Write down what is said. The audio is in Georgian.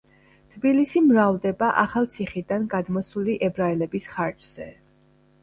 თბილისი მრავლდება ახალციხიდან გადმოსული ებრაელების ხარჯზე.